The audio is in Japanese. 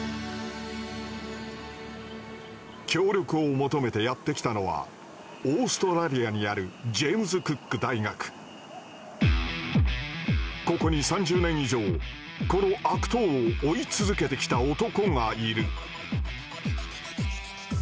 協力を求めてやって来たのはここに３０年以上この悪党を追い続けてきた男がいる。